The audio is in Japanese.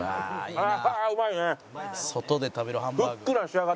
ああ。